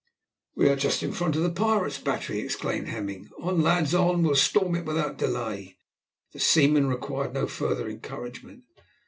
"We are just in front of the pirates' battery," exclaimed Hemming; "on, lads, on! we'll storm it without delay." The seamen required no further encouragement.